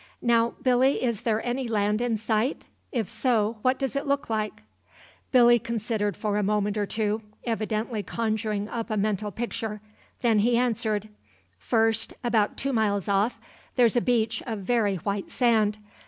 Now, Billy, is there any land in sight? If so, what does it look like?" Billy considered for a moment or two, evidently conjuring up a mental picture. Then he answered: "First, about two miles off, there's a beach of very white sand.